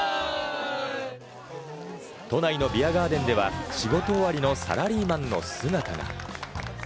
都内のビアガーデンでは仕事終わりのサラリーマンの姿が。